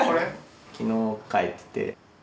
昨日描いてて。